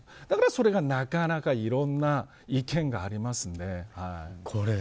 だから、それがなかなかいろんな意見がありますね。